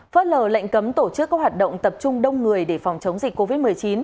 phớt lờ lệnh cấm tổ chức các hoạt động tập trung đông người để phòng chống dịch covid một mươi chín